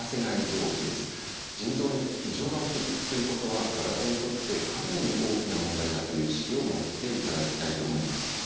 腎臓に異常が起きるということは体にとってかなり大きな問題だという意識を持っていただきたいと思います。